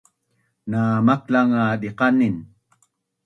na maklang nga diqanin